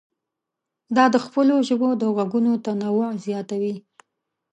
دا د خپلو ژبو د غږونو تنوع زیاتوي.